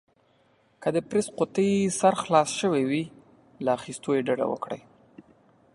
که د پرېس قوطي سر خلاص شوی وي، له اخيستلو يې ډډه وکړئ.